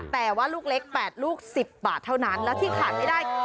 แต่ว่าลูกเล็ก๘ลูก๑๐บาทเท่านั้นและที่ขาดไม่ได้